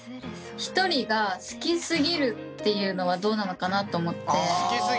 ひとりが好きすぎるっていうのはどうなのかなって思って。